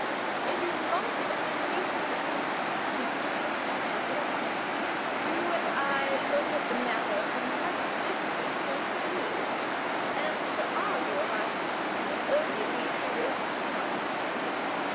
"It is not of the least use to speak of such a thing. You and I look at the matter from quite different points of view, and to argue about it would only be to waste time."